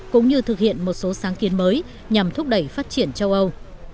cũng như thực hiện một số sáng kiến mới nhằm thúc đẩy phát triển châu âu